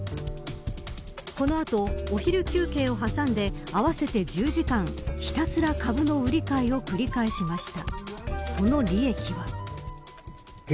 この後、お昼休憩を挟んで合わせて１０時間、ひたすら株の売買を繰り返しました。